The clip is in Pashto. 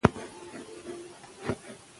دولت خان د احمدشاه بابا نیکه و.